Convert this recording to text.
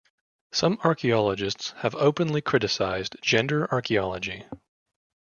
Some archaeologists have openly criticised gender archaeology.